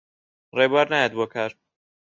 ڕێبوار نایەت بۆ کار.